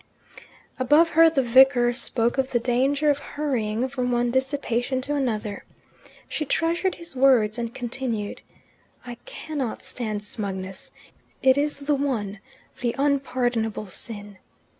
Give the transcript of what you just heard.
Above her the vicar spoke of the danger of hurrying from one dissipation to another. She treasured his words, and continued: "I cannot stand smugness. It is the one, the unpardonable sin.